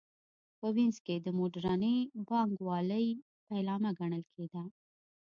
په وینز کې د موډرنې بانک والۍ پیلامه ګڼل کېده